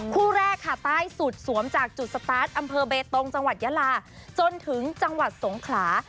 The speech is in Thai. คู่แรกค่ะใต้สุดสวมจากจุดสตาร์ทอำเภอเบตงจังหวัดยาลาจนถึงจังหวัดสงขลา